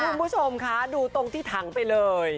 คุณผู้ชมคะดูตรงที่ถังไปเลย